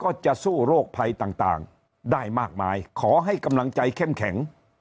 ก็จะสู้โรคภัยต่างได้มากมายขอให้กำลังใจเข้มแข็ง